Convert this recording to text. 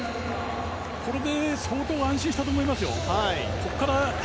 これで相当安心したと思いますよ。